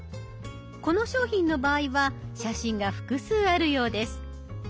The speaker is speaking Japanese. この商品の場合は写真が複数あるようです。